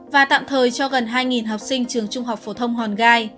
và tạm thời cho gần hai học sinh trường trung học phổ thông hòn gai